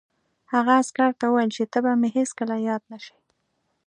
هغه عسکر ته وویل چې ته به مې هېڅکله یاد نه شې